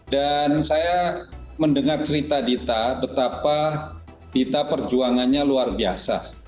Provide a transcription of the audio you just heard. dan saya mendengar cerita dita betapa dita perjuangannya luar biasa